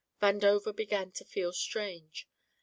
Vandover began to feel strange.